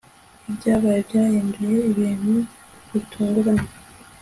Ibyabaye byahinduye ibintu bitunguranye